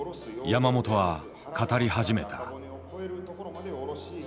山本は語り始めた。